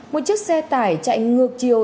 một chiếc xe tải chạy ngược chiều